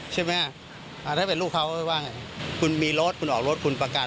ใช่ไหมถ้าเป็นลูกเขาว่าไงคุณมีรถคุณออกรถคุณประกัน